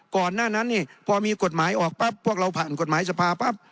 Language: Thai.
ก่อนหน้านั้นนี่พอมีกฎหมายออกปั๊บพวกเราผ่านกฎหมายสภาปั๊บ